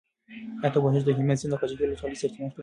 ایا ته پوهېږې چې د هلمند سیند د کجکي له ولسوالۍ سرچینه اخلي؟